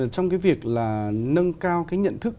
trong cái việc là nâng cao cái nhận thức